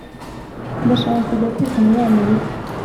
ndashaka kujya kwiga muri amerika